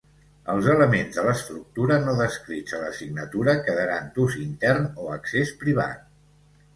Els elements de l'estructura no descrits a la signatura quedaran d'ús intern o accés privat.